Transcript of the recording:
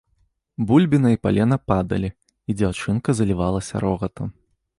Бульбіна і палена падалі, і дзяўчынка залівалася рогатам.